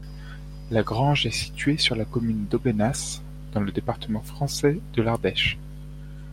La grange est située sur la commune d'Aubenas, dans le département français de l'Ardèche.